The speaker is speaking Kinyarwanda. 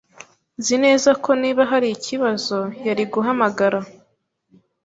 Nzi neza ko niba hari ikibazo, yari guhamagara.